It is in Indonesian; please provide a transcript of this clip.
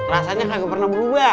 rasanya gak pernah berubah